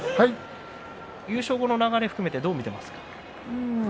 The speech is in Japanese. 優勝後の流れを含めてどう見ていますか？